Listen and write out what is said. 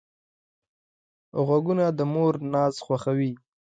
غوږونه د مور ناز خوښوي